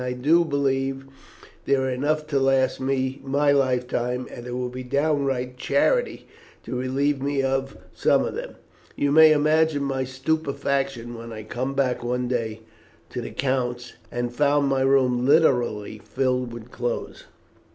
I do believe that there are enough to last me my life time; and it will be downright charity to relieve me of some of them. You may imagine my stupefaction when I came back one day to the count's and found my room literally filled with clothes."